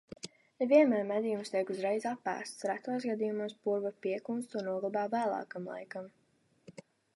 Ne vienmēr medījums tiek uzreiz apēsts, retos gadījumos purva piekūns to noglabā vēlākam laikam.